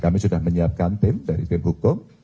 kami sudah menyiapkan tim dari tim hukum